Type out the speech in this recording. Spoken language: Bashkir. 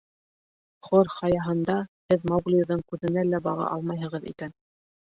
— Хор Хаяһында һеҙ Мауглиҙың күҙенә лә баға алмайһығыҙ икән.